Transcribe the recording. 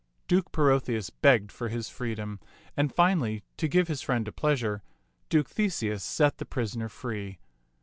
Duke Perotheus begged for his free dom, and finally, to give his friend a pleasure, Duke t^t Mnx^^fB tait 27 Theseus set the prisoner free.